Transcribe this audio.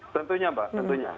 tentunya mbak tentunya